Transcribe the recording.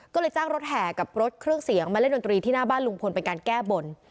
ก็เลยจ้างรถแห่กับรถเครื่องเสียงมาเล่นดนตรีที่หน้าบ้านลุงพลเป็นการแก้บน